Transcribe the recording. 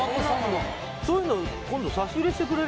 そういうの今度